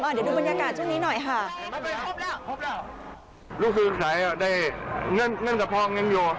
อ่ะเดี๋ยวดูบรรยากาศช่วงนี้หน่อยค่ะ